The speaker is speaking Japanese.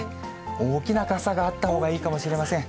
大きな傘があったほうがいいかもしれません。